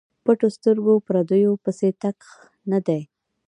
پټو سترګو پردیو پسې تګ نه دی.